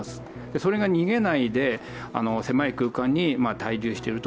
それが逃げないで、狭い空間に滞留していると。